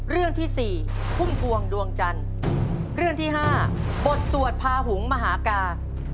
เรื่องที่สี่พุ่มพวงดวงจันทร์เรื่องที่ห้าบทสวดพาหุงมหากา